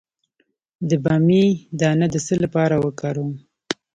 د بامیې دانه د څه لپاره وکاروم؟